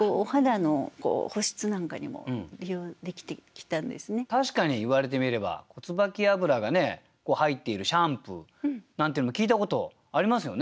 ちなみにこの平安時代から確かに言われてみれば椿油が入っているシャンプーなんていうのも聞いたことありますよね。